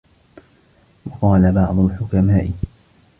وَقَالَ بَعْضُ الْحُكَمَاءِ